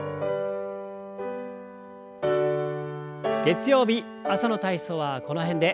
月曜日朝の体操はこの辺で。